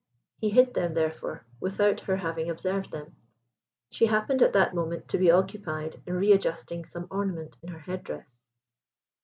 He hid them, therefore, without her having observed them. She happened at that moment to be occupied in re adjusting some ornament in her head dress.